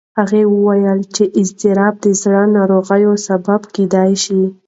هغه وویل چې اضطراب د زړه ناروغیو سبب کېدی شي.